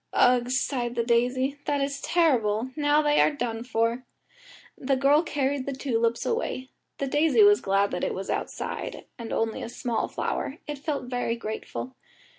"Ugh!" sighed the daisy, "that is terrible; now they are done for." The girl carried the tulips away. The daisy was glad that it was outside, and only a small flower it felt very grateful.